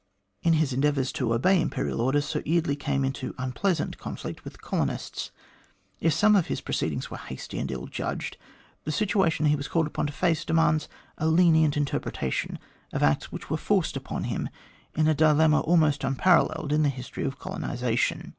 In his endeavours to obey Imperial orders, Sir Eardley came into unpleasant conflict with the colonists. If some of his proceedings were hasty and ill judged, the situation he was called upon to face demands a lenient interpretation of acts which were forced upon him in a dilemma almost unparalleled in the history of colonisa tion.